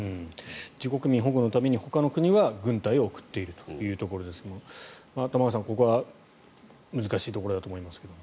自国民保護のためにほかの国は軍隊を送っているというところですが玉川さん、ここは難しいところだと思いますが。